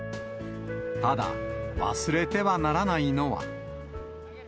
ただ、忘れてはならないのは。